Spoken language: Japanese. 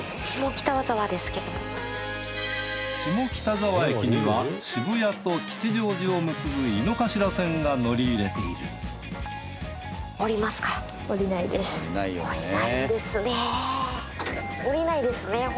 下北沢駅には渋谷と吉祥寺を結ぶ井の頭線が乗り入れている降りないんですね